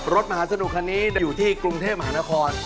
รถมหาสนุกคันนี้อยู่ที่กรุงเทพมหานคร